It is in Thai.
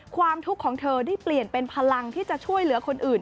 ความทุกข์ของเธอได้เปลี่ยนเป็นพลังที่จะช่วยเหลือคนอื่น